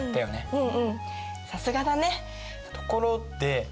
うん。